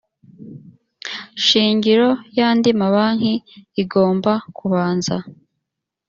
shingiro y andi mabanki igomba kubanza